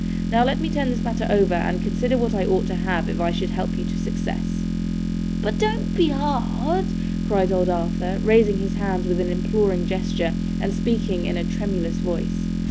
'Now, let me turn this matter over, and consider what I ought to have if I should help you to success.' 'But don't be hard,' cried old Arthur, raising his hands with an imploring gesture, and speaking, in a tremulous voice.